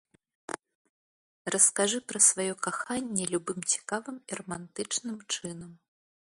Раскажы пра сваё каханне любым цікавым і рамантычным чынам.